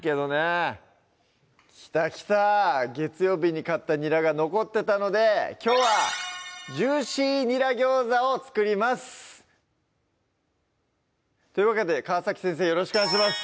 きたきた月曜日に買ったにらが残ってたのできょうは「ジューシーにらギョーザ」を作りますというわけで川先生よろしくお願いします